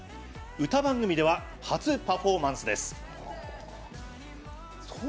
歌番組では初パフォーマンスです